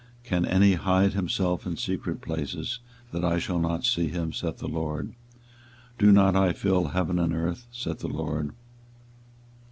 24:023:024 Can any hide himself in secret places that I shall not see him? saith the LORD. Do not I fill heaven and earth? saith the LORD.